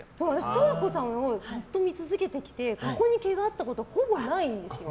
十和子さんをずっと見続けてきてここに毛があったことほぼないんですよ。